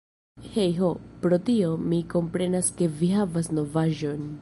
Hej.... Ho, pro tio mi komprenas ke vi havas novaĵon!